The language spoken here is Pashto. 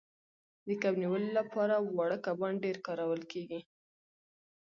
د کب نیولو لپاره واړه کبان ډیر کارول کیږي